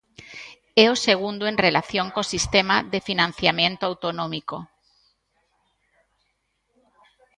E o segundo en relación co sistema de financiamento autonómico.